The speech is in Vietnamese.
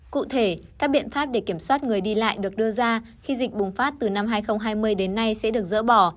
cụ thể các biện pháp để kiểm soát người đi lại được đưa ra khi dịch bùng phát từ năm hai nghìn hai mươi đến nay sẽ được dỡ bỏ